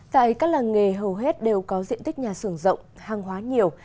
tại các làng nghề hầu hết đều có diện tích nhà xưởng rộng hàng hóa nhiều